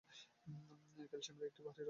ক্যালসিয়ামের একটি ভারী ক্ষারীয় ধাতু।